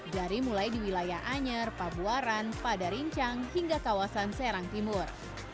dari mulai di wilayah anyer pabuaran pada rincang hingga kawasan serang timur